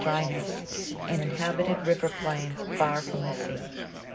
dryness, and inhabited river plains far from the sea.